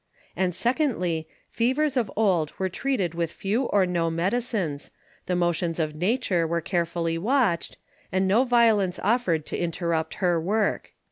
And secondly, Fevers of old were treated with few or no Medicines, the Motions of Nature were carefully watched, and no Violence offer'd to interrupt her Work.